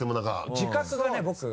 自覚がね僕は。